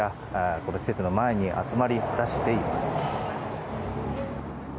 この施設の前に集まり出しています。